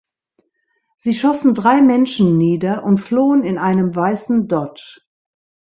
Sie schossen drei Menschen nieder und flohen in einem weißen Dodge.